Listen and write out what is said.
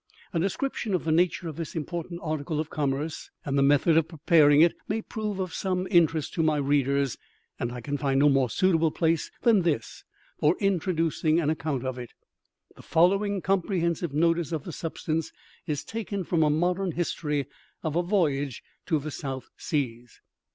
A description of the nature of this important article of commerce, and the method of preparing it, may prove of some interest to my readers, and I can find no more suitable place than this for introducing an account of it. The following comprehensive notice of the substance is taken from a modern history of a voyage to the South Seas.